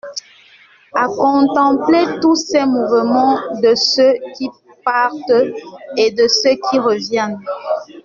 À contempler tous ces mouvements de ceux qui partent et de ceux qui reviennent.